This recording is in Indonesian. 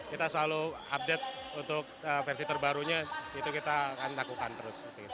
kita selalu update untuk versi terbarunya itu kita akan lakukan terus